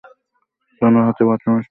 অন্য হাতে বাথরুমের সুইচ নিভিয়ে দিয়েছে।